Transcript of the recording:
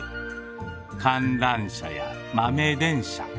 観覧車や豆電車。